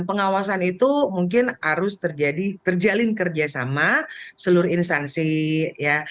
pengawasan itu mungkin harus terjalin kerja sama seluruh instansi ya